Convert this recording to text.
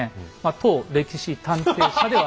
当歴史探偵社では。